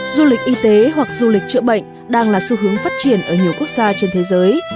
du lịch y tế hoặc du lịch chữa bệnh đang là xu hướng phát triển ở nhiều quốc gia trên thế giới